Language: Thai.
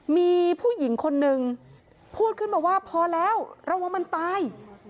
มีผู้หญิงคนนึงพูดขึ้นมาว่าพอแล้วระวังมันตาย